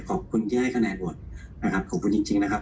ขอบคุณที่ให้คะแนนโบสต์นะครับ